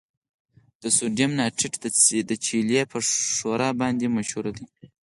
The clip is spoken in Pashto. د سوډیم نایټریټ د چیلي په ښوره باندې مشهوره ده.